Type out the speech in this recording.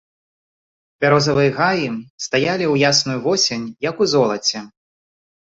Бярозавыя гаі стаялі ў ясную восень, як у золаце.